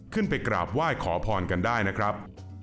ขึ้นไปกราบไหว้ขอพรกันได้นะครับ